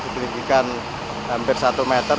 ketinggikan hampir satu meter